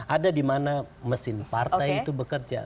ada dimana mesin partai itu bekerja